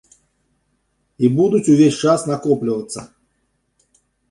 І будуць увесь час накоплівацца.